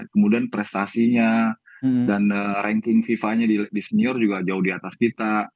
kemudian prestasinya dan ranking fifa nya di senior juga jauh di atas kita